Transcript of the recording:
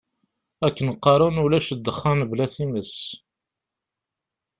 Akken qqaren ulac ddexxan bla times.